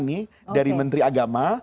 nih dari menteri agama